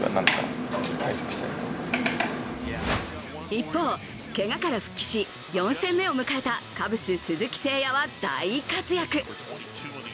一方、けがから復帰し、４戦目を迎えたカブス・鈴木誠也は大活躍。